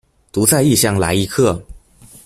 獨在異鄉來一客